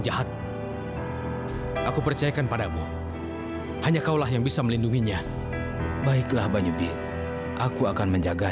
the pourtant kesetujuan sebagai raja di persona offspring dan keluarga